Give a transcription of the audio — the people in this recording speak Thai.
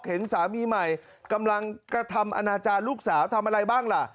เห็นสามีใหม่กำลังกระทำอนาจารย์ลูกสาวทำอะไรบ้างล่ะ